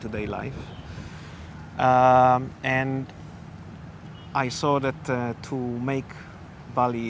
dan saya melihat bahwa untuk membuat bali lebih indah